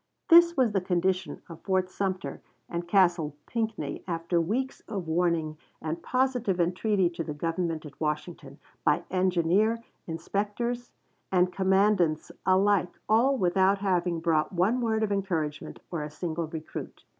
This was the condition of Fort Sumter and Castle Pinckney, after weeks of warning and positive entreaty to the Government at Washington, by engineer, inspectors, and commandants alike, all without having brought one word of encouragement or a single recruit.